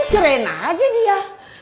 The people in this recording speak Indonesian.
keren aja dia